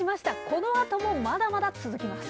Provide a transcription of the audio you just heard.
このあとも、まだまだ続きます。